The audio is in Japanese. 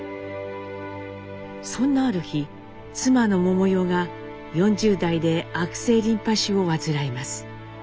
そんなある日妻の百代が４０代で悪性リンパ腫を患います。